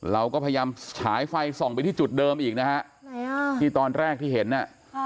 เราก็พยายามฉายไฟส่องไปที่จุดเดิมอีกนะฮะไหนอ่ะที่ตอนแรกที่เห็นน่ะ